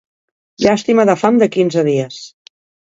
Llàstima de fam de quinze dies.